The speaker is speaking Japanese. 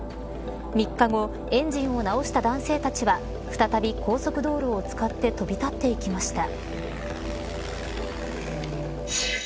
３日後、エンジンを直した男性たちは再び高速道路を使って飛び立っていきました。